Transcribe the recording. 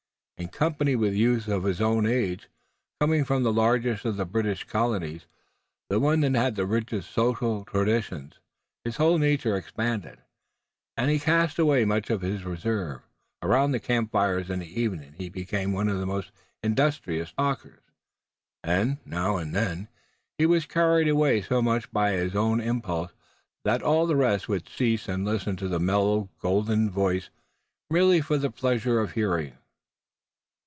In company with youths of his own age coming from the largest city of the British colonies, the one that had the richest social traditions, his whole nature expanded, and he cast away much of his reserve. Around the campfires in the evening he became one of the most industrious talkers, and now and then he was carried away so much by his own impulse that all the rest would cease and listen to the mellow, golden voice merely for the pleasure of hearing.